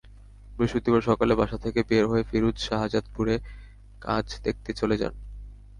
বৃহস্পতিবার সকালে বাসা থেকে বের হয়ে ফিরোজ শাহজাদপুরে কাজ দেখতে চলে যান।